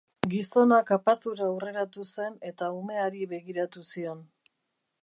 Gizona kapazura hurreratu zen eta umeari begi-ratu zion.